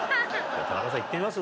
田中さんいってみます？